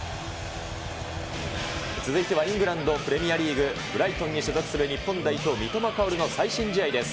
続いてはイングランドプレミアリーグ・ブライトンに所属する、日本代表、三笘薫の最新試合です。